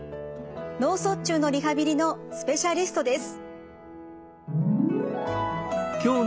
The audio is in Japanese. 脳卒中のリハビリのスペシャリストです。